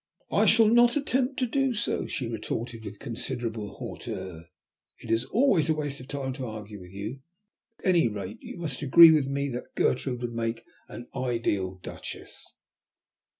"I shall not attempt to do so," she retorted with considerable hauteur. "It is always a waste of time to argue with you. At any rate you must agree with me that Gertrude would make an ideal duchess."